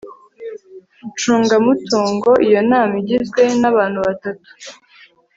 ncungamutungo Iyo nama igizwe n abantu batatu